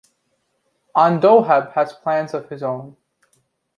Andoheb has plans of his own.